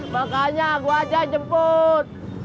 makanya gua aja jemput